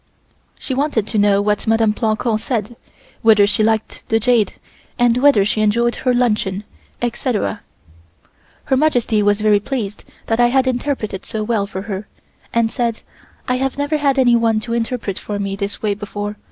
She wanted to know what Mdme. Plancon said, whether she liked the jade and whether she enjoyed her luncheon, etc. Her Majesty was very well pleased that I had interpreted so well for her and said: "I have never had anyone to interpret for me this way before.